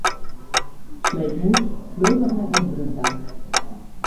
Sleep mûs flugger nei ûnderen ta.